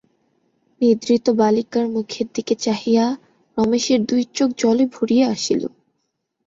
নিদ্রিত বালিকার মুখের দিকে চাহিয়া রমেশের দুই চোখ জলে ভরিয়া আসিল।